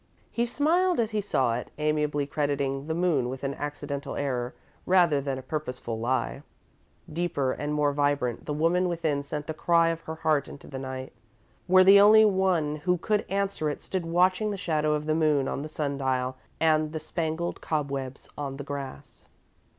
He smiled as he saw it, amiably crediting the moon with an accidental error, rather than a purposeful lie. [Illustration: musical notation.] Deeper and more vibrant, the woman within sent the cry of her heart into the night, where the only one who could answer it stood watching the shadow of the moon on the sun dial and the spangled cobwebs on the grass.